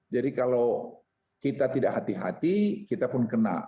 jadi kalau kita tidak hati hati kita pun kena